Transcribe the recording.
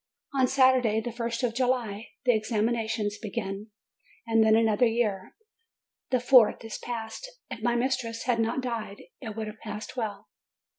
On Sat urday, the first of July, the examinations begin. And then another year, the fourth, is past! If my mis tress had not died, it would have passed well.